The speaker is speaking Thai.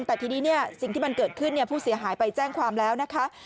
แต่ทีนี้สิ่งที่มันเกิดขึ้นผู้เสียหายไปแจ้งความแล้วนะคะ